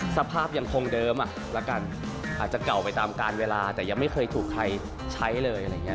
สภาพยังคงเดิมแล้วกันอาจจะเก่าไปตามการเวลาแต่ยังไม่เคยถูกใครใช้เลยอะไรอย่างนี้